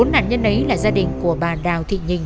bốn nạn nhân ấy là gia đình của bà đào thị nhìn